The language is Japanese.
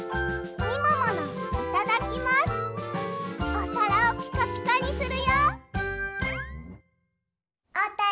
おさらをピカピカにするよ！